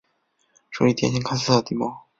属于典型喀斯特地貌。